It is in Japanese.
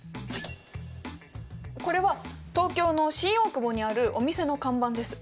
これは東京の新大久保にあるお店の看板です。